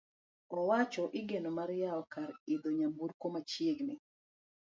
Owacho igeno mar yawo kar idho nyaburkono machiegni.